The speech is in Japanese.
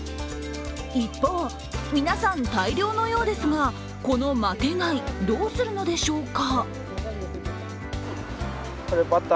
一方、皆さん、大漁のようですがこのマテガイ、どうするのでしょうか。